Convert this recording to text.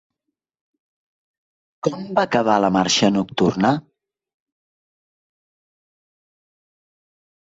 Com va acabar la marxa nocturna?